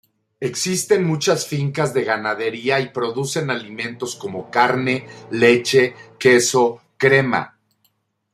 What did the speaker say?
Existen muchas fincas de ganadería y producen alimentos como carne, leche, queso, crema.